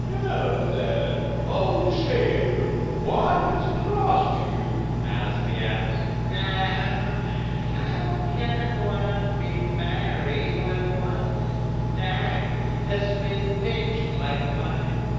"Now, then, old shaver, what has crossed you?" asked the ass. "How can one be merry when one's neck has been pinched like mine?"